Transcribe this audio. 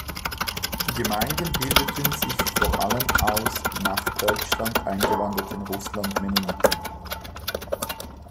Die Gemeinden bildeten sich vor allem aus nach Deutschland eingewanderten Russlandmennoniten.